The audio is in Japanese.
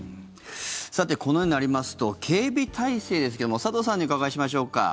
このようになりますと警備態勢ですけれども佐藤さんにお伺いしましょうか。